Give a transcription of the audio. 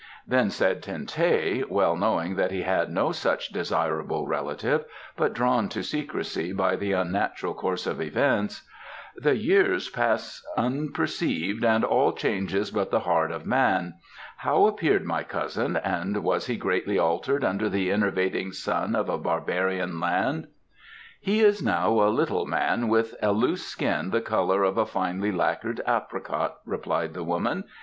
Then said Ten teh, well knowing that he had no such desirable relative, but drawn to secrecy by the unnatural course of events: "The years pass unperceived and all changes but the heart of man; how appeared my cousin, and has he greatly altered under the enervating sun of a barbarian land?" "He is now a little man, with a loose skin the colour of a finely lacquered apricot," replied the woman.